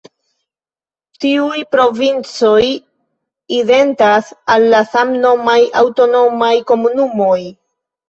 Tiuj provincoj identas al la samnomaj aŭtonomaj komunumoj.